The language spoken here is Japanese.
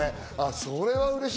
それはうれしい。